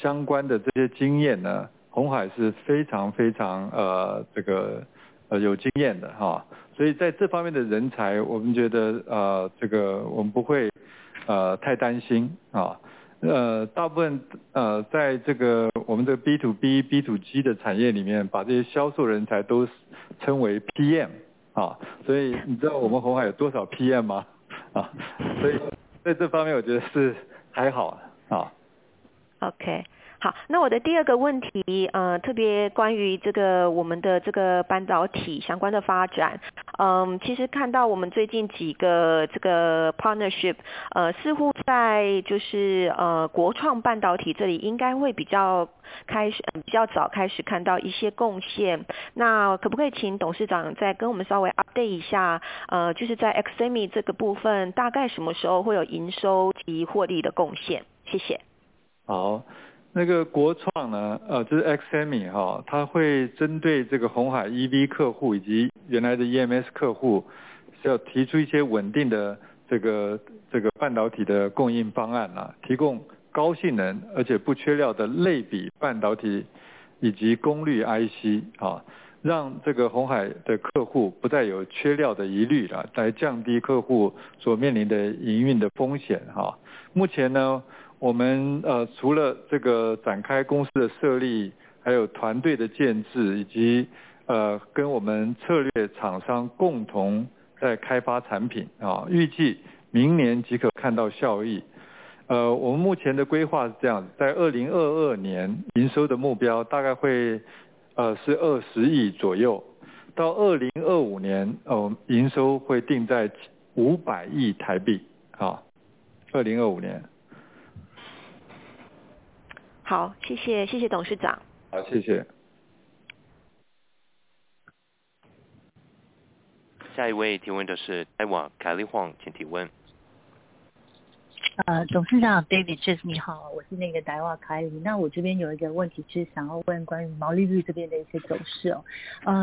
相关的这些经验 呢， 鸿海是非常非常有经验的哦。所以在这方面的人 才， 我们觉得我们不会太担心。呃， 大部 分， 呃， 在这个我们的 B to B、B to G 的产业里 面， 把这些销售人才都称为 PM。哦， 所以你知道我们鸿海有多少 PM 吗？ 哦， 所以在这方面我觉得是还好 啊， 哦。好， 那我的第二个问 题， 特别关于我们的半导体相关的发 展， 其实看到我们最近几个 partnership， 似乎在国创半导体这里应该会比较开 始， 比较早开始看到一些贡 献， 那可不可以请董事长再跟我们稍微 update 一 下， 就是在 AXI 半导体这个部 分， 大概什么时候会有营收及获利的贡 献？ 谢谢。好，那个国创 呢， 就是 AXI 半导 体， 它会针对这个鸿海 EV 客 户， 以及原来的 EMS 客 户， 要提出一些稳定的这个半导体的供应方 案， 提供高性能而且不缺料的类比半导体以及功率 IC， 让这个鸿海的客户不再有缺料的疑 虑， 来降低客户所面临的营运的风险。目前呢，我 们， 除了这个展开公司的设 立， 还有团队的建 制， 以及跟我们策略厂商共同在开发产 品， 预计明年即可看到效益。我们目前的规划是这 样， 在2022年营收的目标大概会是二十亿左 右， 到2025 年， 营收会定在五百亿台币 ，2025 年。好， 谢 谢， 谢谢董事长。好， 谢谢。下一位提问的是台华 ，Kelly Huang， 请提问。董事长 ，David，James， 你 好， 我是台华 Kelly， 我这边有一个问题想要问关于毛利率这边的一些走势。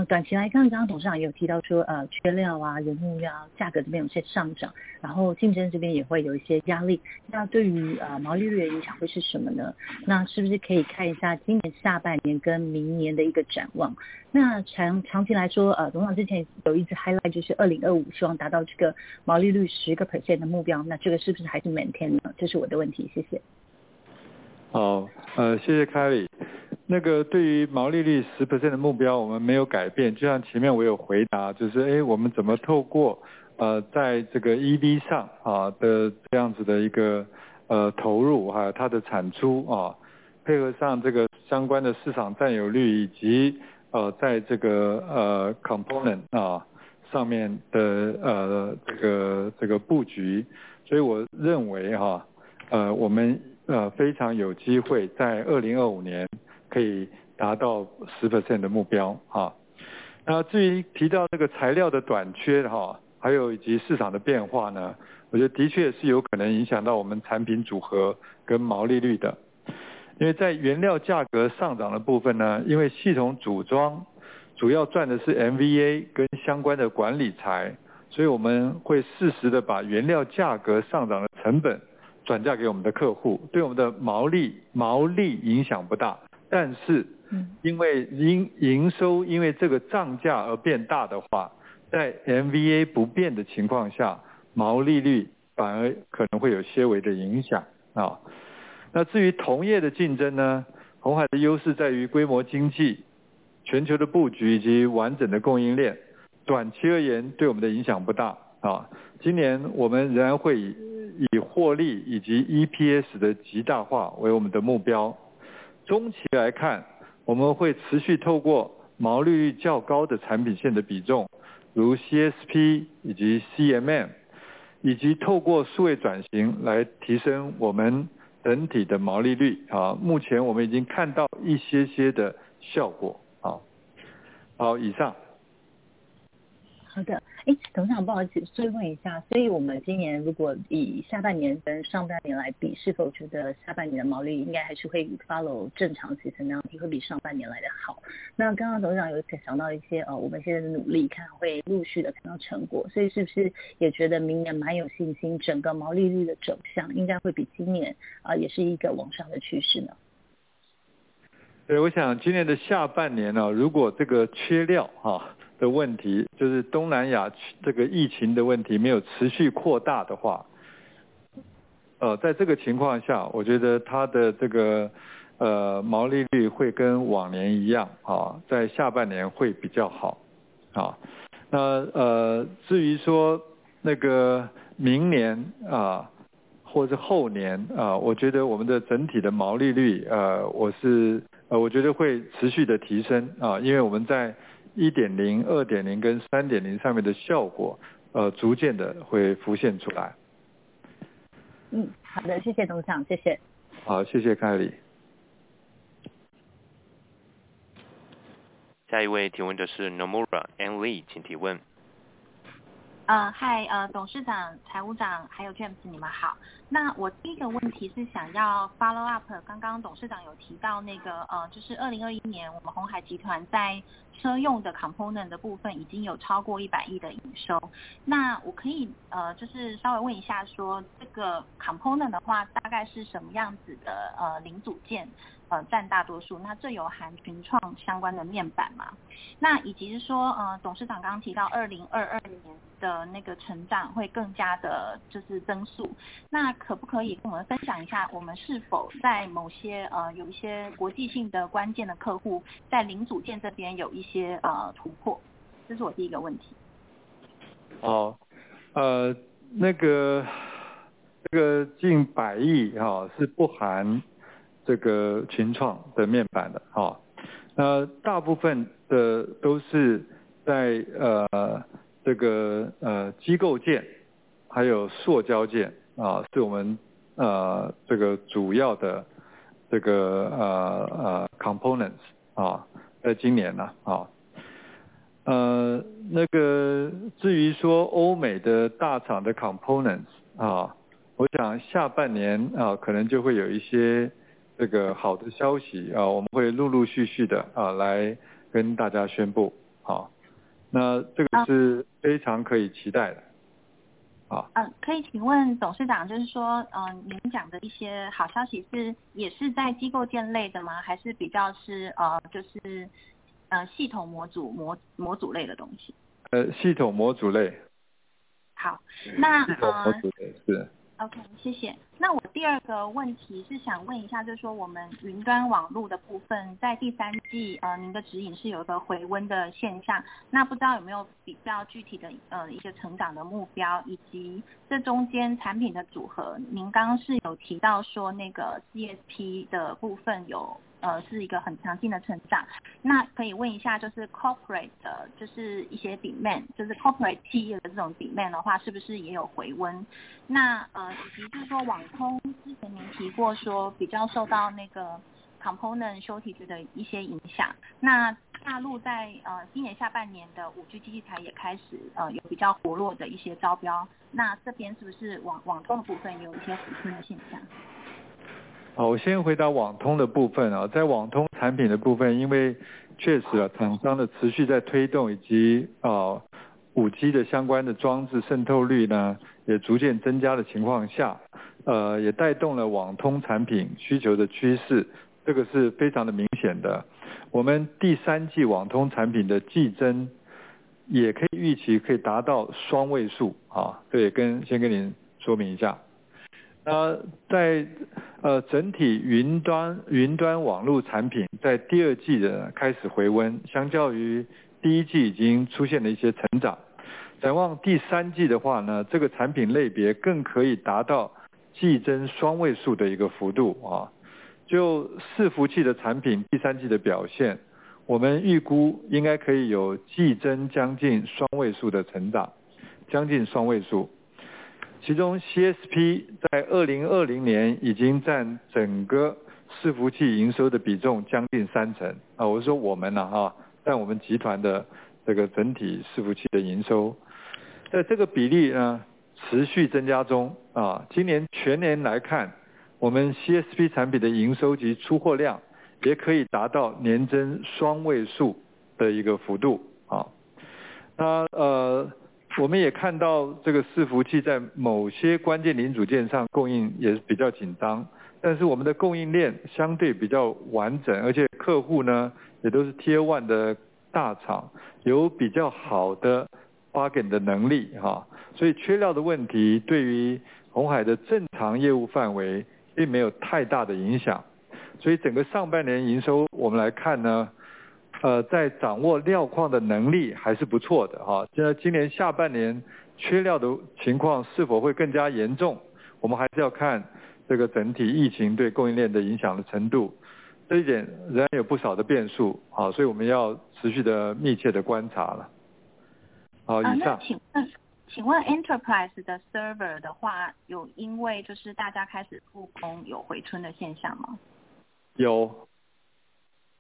短期来 看， 刚刚董事长也有提到 说， 缺料、人工、价格这边有些上 涨， 然后竞争这边也会有一些压 力， 那对于毛利率的影响会是什么 呢？ 那是不是可以看一下今年下半年跟明年的一个展 望？ 那长期来 说， 董事长之前有一直 highlight， 就是2025希望达到这个毛利率 10% 的目 标， 那这个是不是还是 maintain 呢？ 这是我的问 题， 谢谢。好， 谢谢 Kelly。那个对于毛利率 10% 的目标我们没有改 变， 就像前面我有回 答， 就是我们怎么透过在这个 EV 上的这样子的一个投入还有它的产 出， 配合上这个相关的市场占有 率， 以及在这个 component 上面的这个布局。所以我认 为， 我们非常有机会在2025年可以达到 10% 的目标。那至于提到这个材料的短 缺， 还有以及市场的变化 呢， 我觉得的确是有可能影响到我们产品组合跟毛利率的。因为在原料价格上涨的部分 呢， 因为系统组装主要赚的是 MVA 跟相关的管理材，所以我们会适时地把原料价格上涨的成本转嫁给我们的客 户， 对我们的毛 利， 毛利影响不 大， 但是——嗯。因为营 收， 因为这个账价而变大的 话， 在 MVA 不变的情况 下， 毛利率反而可能会有些微的影响。那至于同业的竞争 呢， 鸿海的优势在于规模经济、全球的布局以及完整的供应 链， 短期而 言， 对我们的影响不大。今年我们仍然会以获利以及 EPS 的极大化为我们的目标。中期来 看， 我们会持续透过毛利率较高的产品线的比 重， 如 CSP 以及 CMM， 以及透过数位转型来提升我们整体的毛利率。目前我们已经看到一些效果。以上。好 的， 欸， 董事 长， 不好意 思， 追问一 下， 所以我们今年如果以下半年跟上半年来 比， 是否觉得下半年的毛利应该还是会 follow 正常趋势 呢？ 就会比上半年来得好。那刚刚董事长有讲到一 些， 呃， 我们现在努力看会陆续地看到成 果， 所以是不是也觉得明年蛮有信 心， 整个毛利率的走向应该会比今 年， 呃， 也是一个往上的趋势 呢？ 对， 我想今年的下半年 呢， 如果这个缺料的问 题， 就是东南亚这个疫情的问题没有持续扩大的 话， 在这个情况 下， 我觉得它的这个毛利率会跟往年一 样， 在下半年会比较好。那， 至于说那个明 年， 或是后 年， 我觉得我们的整体的毛利 率， 我觉得会持续地提 升， 因为我们在 1.0、2.0 跟 3.0 上面的效 果， 逐渐地会浮现出来。嗯， 好 的， 谢谢董事 长， 谢谢。好， 谢谢 Kelly。下一位提问的是 Nomura，Annie 请提问。嗨， 董事长、财务 长， 还有 James， 你们好。我第一个问题是想要 follow up， 刚刚董事长有提到2021年我们鸿海集团在车用的 component 的部分已经有超过一百亿的营 收， 那我可以稍微问一 下， 说这个 component 的 话， 大概是什么样子的零组件占大多 数， 那这有含群创相关的面板 吗？ 那以及 说， 呃， 董事长刚刚提到2022年的那个成长会更加的就是增 速， 那可不可以跟我们分享一 下， 我们是否在某 些， 呃， 有一些国际性的关键的客 户， 在零组件这边有一 些， 呃， 突 破？ 这是我第一个问题。好， 那 个， 这个近百 亿， 是不含这个群创的面板 的， 好， 那大部分的都是在这个机构 件， 还有塑胶 件， 是我们这个主要的 components， 在今年。那个至于说欧美的大厂的 components， 我想下半年可能就会有一些这个好的消 息， 我们会陆陆续续的来跟大家宣 布， 好。好。这个是非常可以期待 的， 好。呃， 可以请问董事 长， 就是 说， 呃， 您讲的一些好消息是也是在机构件类的 吗？ 还是比较 是， 呃， 就 是， 呃， 系统模组类的东西。呃， 系统模组类。那个 ，OK， 谢谢。那我第二个问题是想问一 下， 就是说我们云端网络的部 分， 在第三 季， 呃， 您的指引是有一个回温的现 象， 那不知道有没有比较具体 的， 呃， 一个成长的目 标， 以及这中间产品的组合。您刚刚是有提到说那个 CSP 的部分 有， 呃， 是一个很强劲的成 长， 那可以问一 下， 就是 corporate 的就是一些 demand， 就是 corporate tier 的这种 demand 的 话， 是不是也有回 温？ 那 呃， 以及就是说网 通， 之前您提过说比较受到那个 component shortage 的一些影 响， 那大陆在呃今年下半年的 5G 机器台也开始呃有比较活络的一些招 标， 那这边是不是网通的部分也有一些好转的现象。好， 我先回答网通的部分 啊， 在网通产品的部 分， 因为确实啊厂商的持续在推 动， 以 及， 呃 ，5G 的相关的装置渗透率呢也逐渐增加的情况 下， 呃， 也带动了网通产品需求的趋 势， 这个是非常的明显的。我们第三季网通产品的季增也可以预期可以达到双位 数， 啊， 这也 跟， 先跟您说明一下。在整体云端网路产品在第二季的开始回 温， 相较于第一季已经出现了一些成长。展望第三季的 话， 这个产品类别更可以达到季增双位数的幅度。就伺服器的产品第三季的表 现， 我们预估应该可以有季增将近双位数的成 长， 将近双位数。其中 CSP 在2020年已经占整个服务器营收的比重将近三 成， 我是说我们 啦， 占我们集团的这个整体服务器的营收。这个比例呢持续增加 中， 今年全年来 看， 我们 CSP 产品的营收及出货量也可以达到年增双位数的一个幅度。那， 我们也看到这个服务器在某些关键零组件上供应也比较紧 张， 但是我们的供应链相对比较完 整， 而且客户呢也都是 tier one 的大 厂， 有比较好的 bargain 的能力。所以缺料的问题对于鸿海的正常业务范围并没有太大的影 响， 所以整个上半年营 收， 我们来看呢，在掌握料况的能力还是不错的。今年下半年缺料的情况是否会更加严 重， 我们还是要看这个整体疫情对供应链的影响的程 度， 这一点仍然有不少的变数。所以我们要持续地密切地观察了。那请问 ，enterprise 的 server 的 话， 有因为就是大家开始复 工， 有回春的现象 吗？ 有，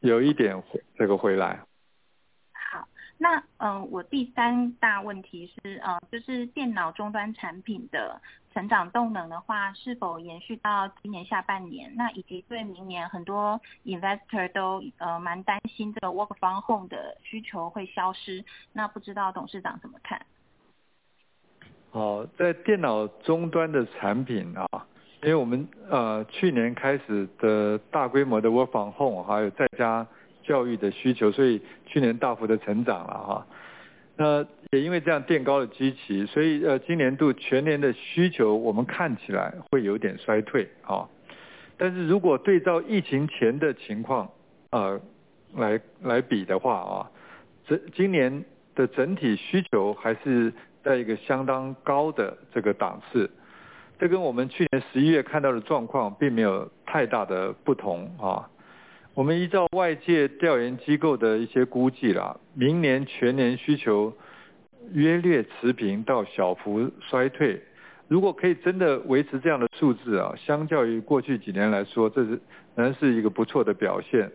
有一点这个回来。好， 那 呃， 我第三大问题 是， 呃， 就是电脑终端产品的成长动能的 话， 是否延续到今年下半 年？ 那以及对明年很多 investor 都， 呃， 蛮担心这个 work from home 的需求会消 失， 那不知道董事长怎么 看？ 好， 在电脑终端的产品啊，因为我 们， 呃， 去年开始的大规模的 work from home， 还有在家教育的需 求， 所以去年大幅度成长了 啦， 哈。那也因为这样奠高的基 期， 所 以， 呃， 今年度全年的需求我们看起来会有点衰 退， 哦。但是如果对照疫情前的情 况， 呃， 来比的话 啊， 今年的整体需求还是在一个相当高的档次，这跟我们去年十一月看到的状况并没有太大的不同。我们依照外界调研机构的一些估计 啦， 明年全年需求约略持平到小幅衰 退， 如果可以真的维持这样的数字 啊， 相较于过去几年来 说， 这是仍然是一个不错的表 现，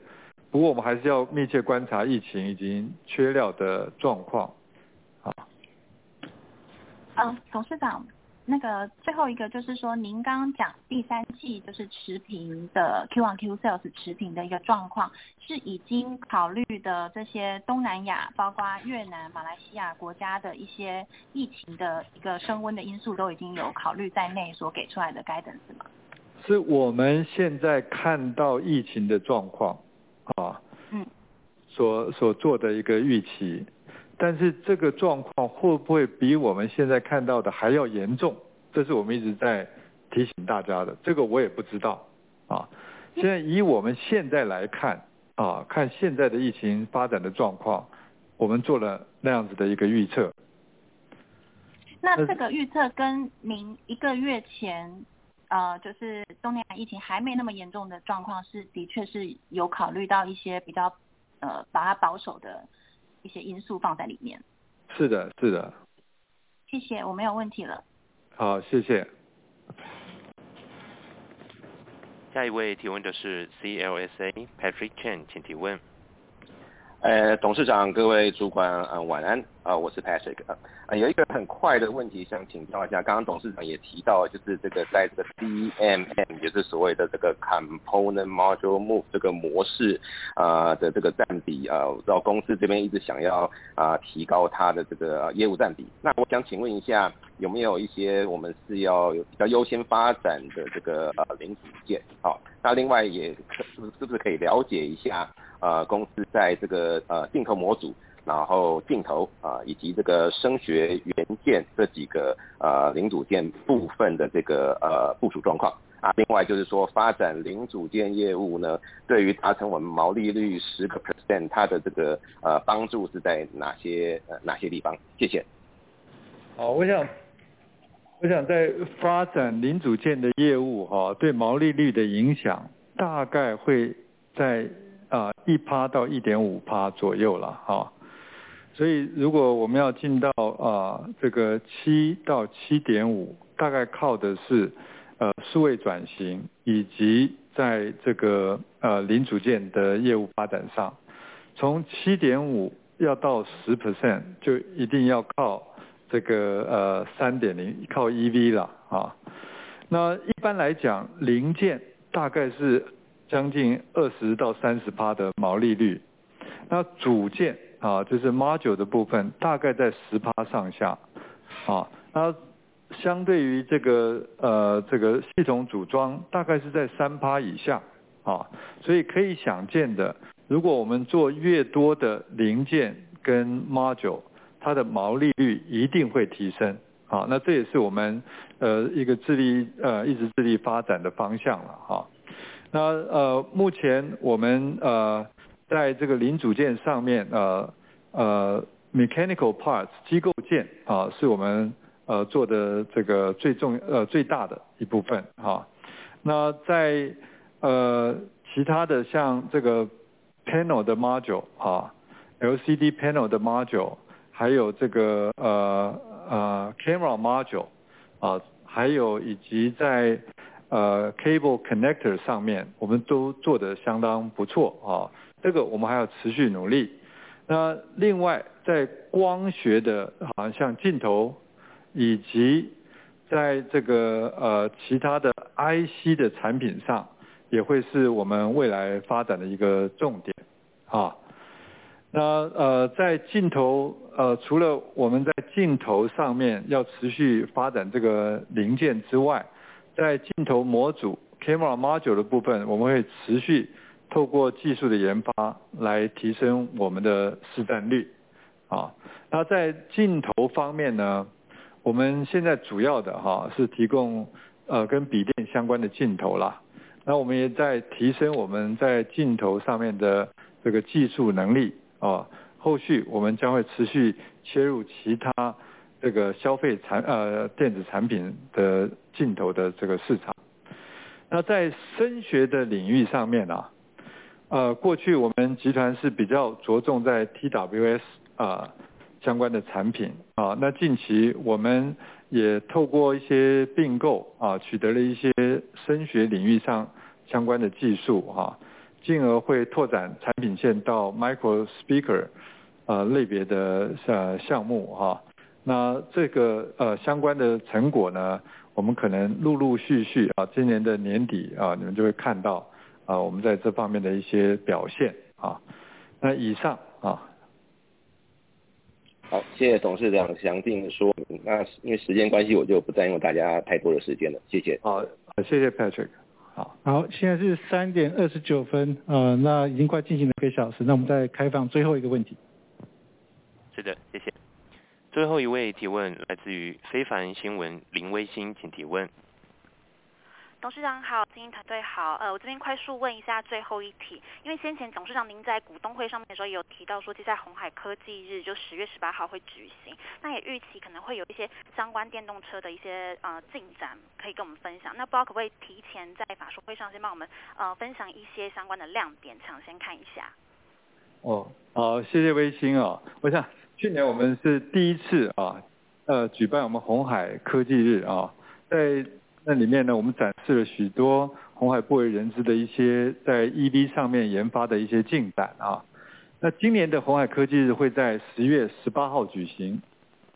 不过我们还是要密切观察疫情以及缺料的状 况， 好。呃， 董事 长， 那个最后一个就是说您刚刚讲第三 季， 就是持平的 ，Q on Q sales 持平的一个状 况， 是已经考虑的这些东南 亚， 包括越南、马来西亚国家的一些疫情的一个升温的因 素， 都已经有考虑在 内， 所给出来的 guidance 是 吗？ 是， 我们现在看到疫情的状 况， 啊——嗯。所做的一个预期，但是这个状况会不会比我们现在看到的还要严 重， 这是我们一直在提醒大家 的， 这个我也不知道。现在以我们现在来 看， 看现在的疫情发展的状 况， 我们做了那样子的一个预测。那这个预测跟您一个月 前， 呃， 就是东南亚疫情还没那么严重的状 况， 是的确是有考虑到一些比 较， 呃， 把它保守的一些因素放在里面。是 的， 是的。谢 谢， 我没有问题了。好， 谢谢。下一位提问的是 CLSA，Patrick Chen， 请提问。董事 长， 各位主 管， 晚 安， 我是 Patrick。有一个很快的问题想请教一 下， 刚刚董事长也提 到， 就是这个在 CMM， 也是所谓的这个 component module move 这个模式的这个占 比， 我知道公司这边一直想要提高它的这个业务占 比， 那我想请问一 下， 有没有一些我们是要比较优先发展的这个零组 件？ 那另外也 是， 是不是可以了解一 下， 呃， 公司在这 个， 呃， 进口模 组， 然后镜 头， 啊， 以及这个声学元件这几 个， 呃， 零组件部分的这 个， 呃， 部署状况。另外就是说发展零组件业务 呢， 对于达成我们毛利率 10%， 它的这 个， 呃， 帮助是在哪 些， 呃， 哪些地 方？ 谢谢。好， 我 想， 我想在发展零组件的业务 哈， 对毛利率的影响大概会在一%到一点五%左右啦，哈。所以如果我们要进到这个七到七点 五， 大概靠的是数位转 型， 以及在这个零组件的业务发展 上， 从七点五要到十%，就一定要靠这个三点 零， 靠 EV 啦。那一般来 讲， 零件大概是将近二十到三十%的毛利 率， 那组件，就是 module 的部 分， 大概在十%上下。那相对于这个系统组装大概是在三%以下。所以可以想见 的， 如果我们做越多的零件跟 module， 它的毛利率一定会提升。那这也是我们一直致力发展的方向。那 么， 目前我们在这个零组件上面 ，mechanical parts 机构 件， 是我们做的这个最重、最大的一部分。那在其他的像这个 panel 的 module，LCD panel 的 module， 还有这个 camera module， 还有以及在 cable connector 上 面， 我们都做得相当不错，这个我们还要持续努力。另外在光学 的， 好像镜 头， 以及在其他的 IC 的产品 上， 也会是我们未来发展的一个重点。在镜 头， 除了我们在镜头上面要持续发展这个零件之 外， 在镜头模组 camera module 的部 分， 我们会持续透过技术的研发来提升我们的市占率。在镜头方面 呢， 我们现在主要是提供跟笔电相关的镜 头， 我们也在提升我们在镜头上面的技术能 力， 后续我们将会持续切入其他消费电子产品的镜头市场。那在声学的领域上面 呢， 过去我们集团是比较着重在 TWS 相关的产 品， 那近期我们也透过一些并 购， 取得了一些声学领域上相关的技 术， 进而会拓展产品线到 micro speaker 类别的项目。那这 个， 相关的成果 呢， 我们可能陆陆续 续， 今年的年 底， 你们就会看 到， 我们在这方面的一些表 现， 好， 那以上。好， 谢谢董事长详尽的说 明， 那因为时间关 系， 我就不再浪费大家太多的时间 了， 谢谢。好， 谢谢 Patrick， 好。好， 现在是三点二十九 分， 那已经快进行了一个小 时， 那我们再开放最后一个问题。是 的， 谢谢。最后一位提问来自于非凡新 闻， 林微 辛， 请提问。董事长 好， 精英团队 好， 呃， 我这边快速问一下最后一 题， 因为先前董事长您在股东会上面的时候有提到 说， 接下来鸿海科技 日， 就10月18号会举 行， 那也预期可能会有一些相关电动车的一 些， 呃， 进展可以跟我们分 享， 那不知道可不可以提前在法说会上先帮我 们， 呃， 分享一些相关的亮 点， 抢先看一下。哦， 好， 谢谢微辛哦。我想去年我们是第一次 啊， 呃， 举办我们鸿海科技日 啊， 在那里面 呢， 我们展示了许多鸿海不为人知的一些在 EV 上面研发的一些进展啊。那今年的鸿海科技日会在十月十八号举 行，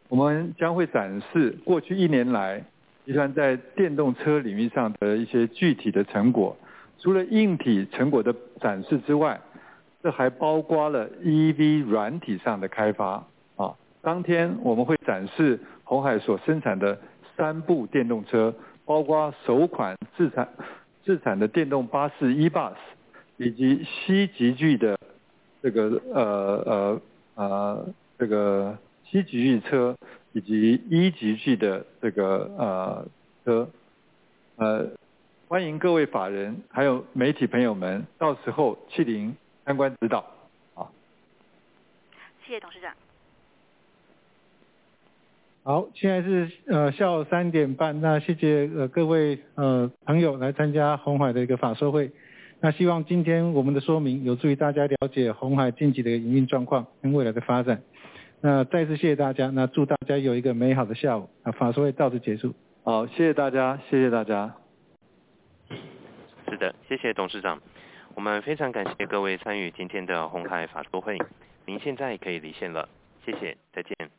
我们将会展示过去一年来集团在电动车领域上的一些具体的成 果， 除了硬体成果的展示之 外， 这还包括了 EV 软体上的开 发， 啊。当天我们会展示鸿海所生产的三部电动车，包括首款自产的电动巴士 EBUS， 以及 C 级别的车以及 E 级别的车。欢迎各位法人还有媒体朋友们到时候莅临参观指导。谢谢董事长。好， 现在 是， 呃， 下午三点 半， 那谢 谢， 呃， 各 位， 呃， 朋友来参加鸿海的一个法说 会， 那希望今天我们的说明有助于大家了解鸿海近期的营运状况跟未来的发展。那再次谢谢大 家， 那祝大家有一个美好的下 午， 法说会到此结束。好， 谢谢大 家， 谢谢大家。是 的， 谢谢董事长。我们非常感谢各位参与今天的鸿海法说 会， 您现在可以离线了。谢 谢， 再见。